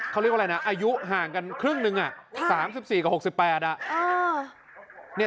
เขาเรียกว่าอะไรนะอายุห่างกันครึ่งนึง๓๔กับ๖๘